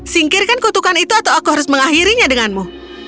singkirkan kutukan itu atau aku harus mengakhirinya denganmu